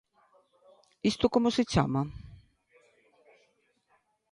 ¿Isto como se chama?